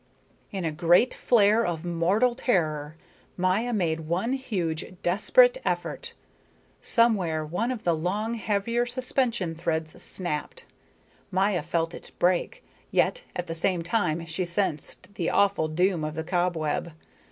In a great flare of mortal terror Maya made one huge desperate effort. Somewhere one of the long, heavier suspension threads snapped. Maya felt it break, yet at the same time she sensed the awful doom of the cobweb.